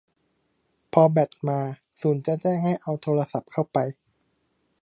พอแบตมา ศูนย์จะแจ้งให้เอาโทรศัพท์เข้าไป